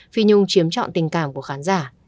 phi nhung chiếm trọn tình cảm của khán giả